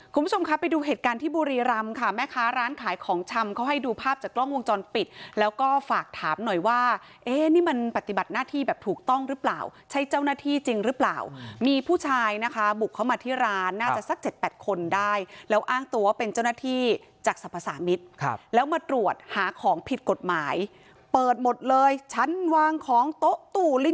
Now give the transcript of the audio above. คุณผู้ชมคะไปดูเหตุการณ์ที่บุรีรำค่ะแม่ค้าร้านขายของชำเขาให้ดูภาพจากกล้องวงจรปิดแล้วก็ฝากถามหน่อยว่าเอ๊ะนี่มันปฏิบัติหน้าที่แบบถูกต้องหรือเปล่าใช่เจ้าหน้าที่จริงหรือเปล่ามีผู้ชายนะคะบุกเข้ามาที่ร้านน่าจะสักเจ็ดแปดคนได้แล้วอ้างตัวเป็นเจ้าหน้าที่จากสรรพสามิตรครับแล้วมาตรวจหาของผิดกฎหมายเปิดหมดเลยชั้นวางของโต๊ะตู้ลิ